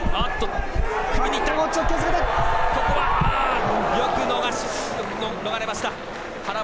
ここは、よく逃れました。